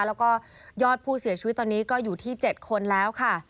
แล้วก็ยอดผู้เสียชีวิตตอนนี้ก็อยู่ที่๗คนแล้วค่ะ